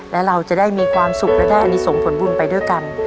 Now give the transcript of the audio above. และเราจะได้มีความสุขและได้อันนี้ส่งผลบุญไปด้วยกัน